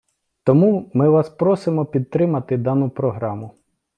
Тому ми вас просимо підтримати дану програму.